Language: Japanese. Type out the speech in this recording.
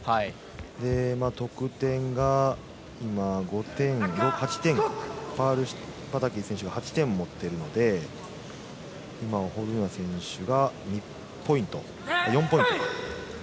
得点が今、８点ハールシュパタキ選手が８点を持っているので今、ホルーナ選手が４ポイント。